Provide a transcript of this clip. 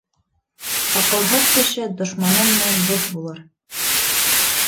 Аҡылһыҙ кеше дошманы менән дуҫ булыр